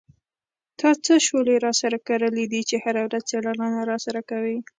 تا څه شولې را سره کرلې دي چې هره ورځ څېړنه را سره کوې.